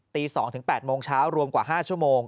ตีสองถึงแปดโมงเช้ารวมกว่าห้าชั่วโมง